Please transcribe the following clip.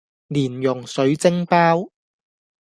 蓮蓉水晶包